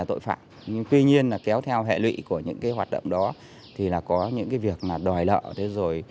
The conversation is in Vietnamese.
tuy nhiên kéo theo hệ lụy của những hoạt động đó thì có những việc đòi lợ